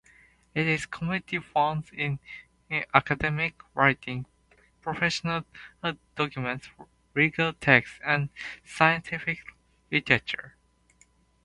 It is commonly found in academic writing, professional documents, legal texts, and scientific literature.